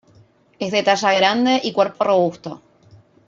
Es de talla grande y cuerpo robusto.